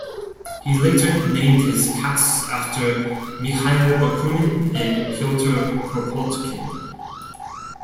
He later named his cats after Mikhail Bakunin and Piotr Kropotkin.